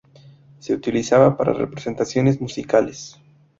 Se utilizaba para representaciones musicales.